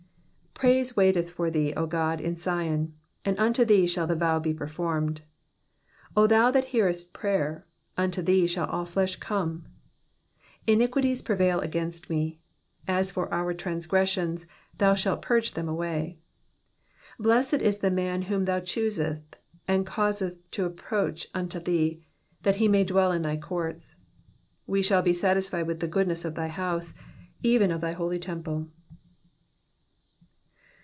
PRAISE waiteth for thee, O God, in Sion : and unto thee shall the vow be performed. 2 O thou that hearest prayer, unto thee shall all flesh come. 3 Iniquities prevail against me : as for our transgressions, thou shalt purge them away. 4 Blessed is the man whom thou choosest, and causest to approach unto thee, that he may dwell in thy courts : we shall be satisfied with the goodness of thy house, even of thy holy temple.